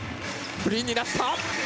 フリーになった！